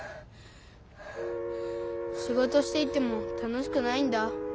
しごとしていても楽しくないんだ。